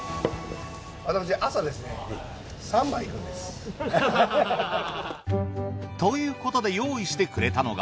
私。ということで用意してくれたのが。